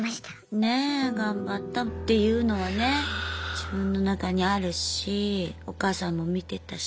ねえ。頑張ったっていうのはね自分の中にあるしお母さんも見てたし。